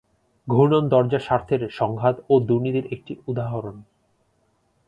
ঘূর্ণন দরজা স্বার্থের সংঘাত ও দুর্নীতির একটি উদাহরণ।